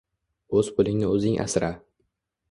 O‘z pulingni o‘zing asra!